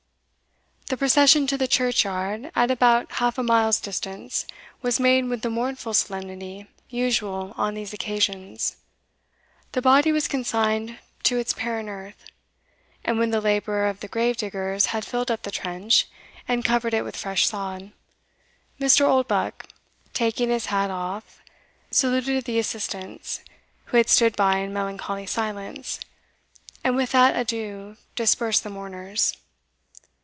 The procession to the churchyard, at about half a mile's distance, was made with the mournful solemnity usual on these occasions, the body was consigned to its parent earth, and when the labour of the gravediggers had filled up the trench, and covered it with fresh sod, Mr. Oldbuck, taking his hat off, saluted the assistants, who had stood by in melancholy silence, and with that adieu dispersed the mourners.